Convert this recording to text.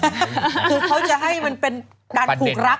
คือเขาจะให้มันเป็นการผูกรัก